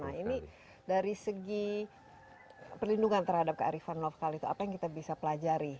nah ini dari segi perlindungan terhadap kearifan lokal itu apa yang kita bisa pelajari